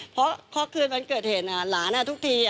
เพราะคืนวันเกิดเหตุหลานทุกที